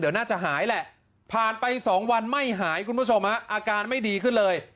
เดี๋ยวน่าจะหายแหละผ่านไป๒วันไม่หายคุณผู้ชมฮะอาการไม่ดีขึ้นเลย